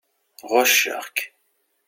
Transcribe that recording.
Ɣucceɣ-k.